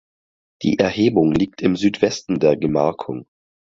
Die Erhebung liegt im Südwesten der Gemarkung.